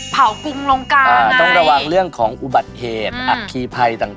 กุมลงกลางต้องระวังเรื่องของอุบัติเหตุอัคคีภัยต่าง